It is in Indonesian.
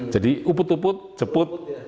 jadi uput uput jeput